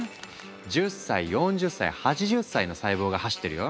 １０歳４０歳８０歳の細胞が走ってるよ。